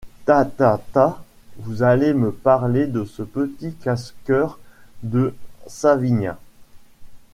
Ta, ta, ta! vous allez me parler de ce petit casse-cœur de Savinien?